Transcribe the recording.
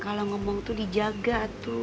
kalau ngomong tuh dijaga tuh